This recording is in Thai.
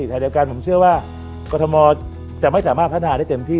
ทางเดียวกันผมเชื่อว่ากรทมจะไม่สามารถพัฒนาได้เต็มที่